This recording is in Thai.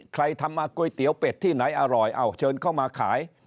ทำมาก๋วยเตี๋ยวเป็ดที่ไหนอร่อยเอาเชิญเข้ามาขาย